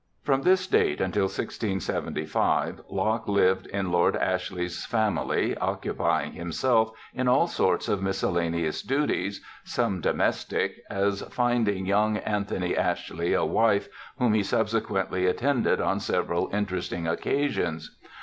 From this date until 1675 Locke lived in Lord Ashley's family, occupying himself in all sorts of mis cellaneous duties, some domestic, as finding young Anthony Ashley a wife, whom he subsequently attended on several interesting occasions.